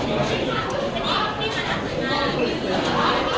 ที่เจนนี่ของกล้องนี้นะคะ